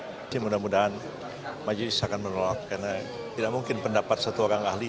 jadi mudah mudahan majelis akan menolak karena tidak mungkin pendapat satu orang ahli